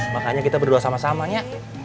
makanya kita berdua sama sama yuk